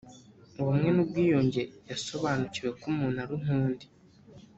ubumwe n’ubwiyunge yasobanukiwe ko umuntu ari nk’undi